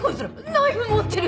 ナイフ持ってる！